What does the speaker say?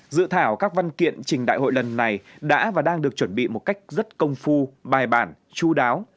dự thảo các văn kiện trình đại hội lần này đã và đang được chuẩn bị một cách rất công phu bài bản chú đáo